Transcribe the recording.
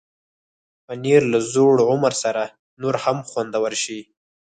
پنېر له زوړ عمر سره نور هم خوندور شي.